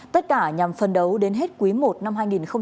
tất cả nhằm phấn đấu đến hết quý i năm hai nghìn hai mươi hai